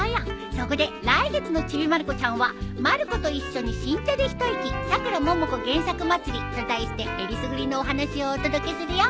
そこで来月の『ちびまる子ちゃん』は「まる子と一緒に新茶でひといきさくらももこ原作まつり」と題してえりすぐりのお話をお届けするよ。